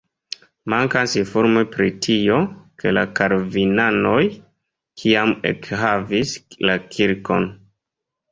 Mankas informo pri tio, ke la kalvinanoj kiam ekhavis la kirkon.